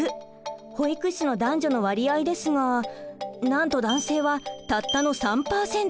保育士の男女の割合ですがなんと男性はたったの３％。